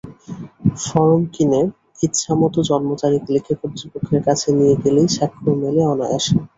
Form কিনে ইচ্ছামতো জন্মতারিখ লিখে কর্তৃপক্ষের কাছে নিয়ে গেলেই স্বাক্ষর মেলে অনায়াসে।